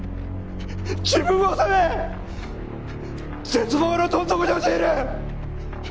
自分を責め絶望のどん底に陥る。